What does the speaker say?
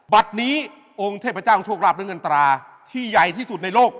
บัดนี้องค์เทพเจ้าของโชคราบเริ่มอันตราที่ใหญ่ที่สุดในโลก